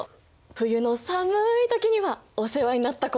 冬の寒い時にはお世話になったことあったでしょ？